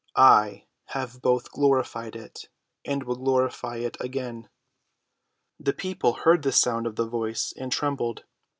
"I have both glorified it, and will glorify it again." The people heard the sound of the Voice and trembled.